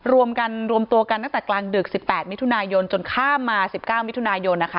รวมกันรวมตัวกันตั้งแต่กลางดึก๑๘มิถุนายนจนข้ามมา๑๙มิถุนายนนะคะ